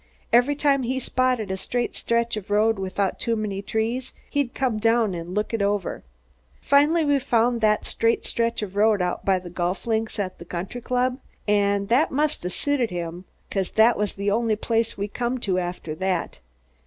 Every time he spotted a straight stretch of road without too many trees, he'd come down and look it over. Finally we found that straight stretch of road out by the golf links at the country club, an' that must 'a' suited him 'cause that was the only place we come to after that.